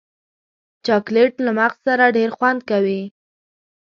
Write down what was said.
چاکلېټ له مغز سره ډېر خوند کوي.